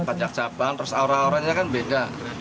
banyak cabang terus aura auranya kan beda